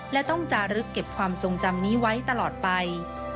และต้องจารึกเก็บความทรงจำนี้ไว้ตลอดไป